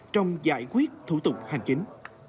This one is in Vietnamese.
trong giải quyết thủ tục hành chính